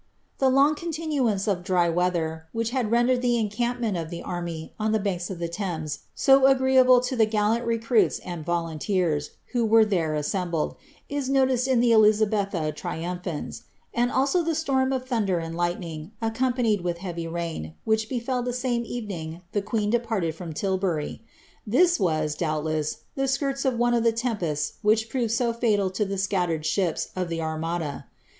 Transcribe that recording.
The long continuance of dry weather, which had rendered the en campment of the army on the banks of the Tliames so agreeable to the gallant recruits and volunteers who were there assembled, is noticed in the ^Elizabetha Triumphans," and also the storm of thunder and lights ning, accompanied with heavy rain, which befell the same evening the queen departed from Tilbury. This was, doubtless, the skirts of one of the tempests which proved so fatal to the scattered ships of the Ar mada.